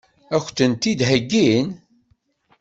Ad k-ten-id-heggin?